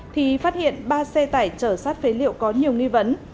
thì phát hiện ba xe tải chở sát phế liệu có nhiều nghi vấn